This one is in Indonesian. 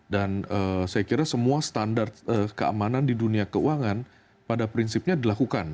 dan saya kira semua standar keamanan di dunia keuangan pada prinsipnya dilakukan